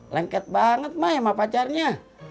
lengket banget mai sama pacarnya